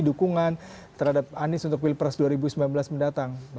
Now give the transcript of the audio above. dukungan terhadap anies untuk pilpres dua ribu sembilan belas mendatang